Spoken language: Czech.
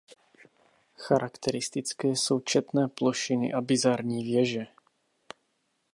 Charakteristické jsou četné plošiny a bizarní věže.